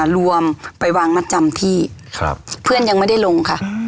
รวมไปวางมัดจำที่เพื่อนยังไม่ได้ลงค่ะ